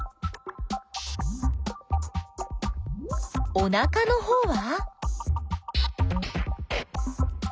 おなかのほうは？